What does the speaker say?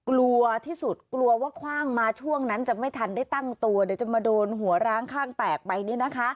กลัวที่สุดกลัวว่าคว่างมาช่วงนั้นจะไม่ทันได้ตั้งตัวเดี๋ยวจะมาโดนหัวร้างข้างแตกไปเนี่ยนะคะ